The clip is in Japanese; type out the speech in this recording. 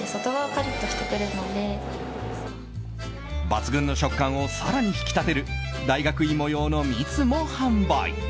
抜群の食感を更に引き立てる大学いも用の蜜も販売。